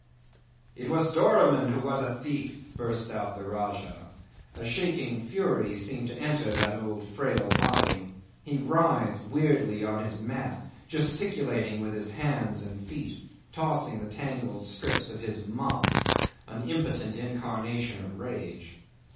"It was Doramin who was a thief," burst out the Rajah. A shaking fury seemed to enter that old frail body. He writhed weirdly on his mat, gesticulating with his hands and feet, tossing the tangled strings of his mop an impotent incarnation of rage.